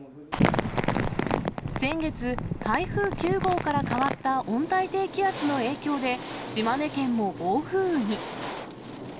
先月、台風９号から変わった温帯低気圧の影響で、島根県も暴風雨に。